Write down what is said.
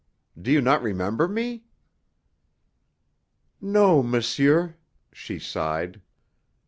Do you not remember me?" "No, monsieur," she sighed.